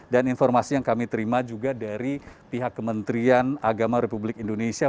dan informasi yang kami terima juga dari pihak kementerian agama republik indonesia